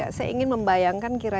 kau kamu dengar bukan bangunan ini